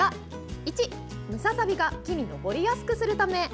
１、ムササビが木に登りやすくするため。